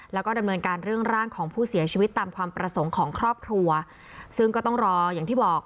แล้วก็ดำเนินการเรื่องร่างของผู้เสียชีวิตตามความประสงค์ของครอบครัวซึ่งก็ต้องรออย่างที่บอก